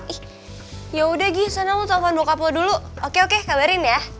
ih ya udah gi soalnya lo telfon bokap lo dulu oke oke kabarin ya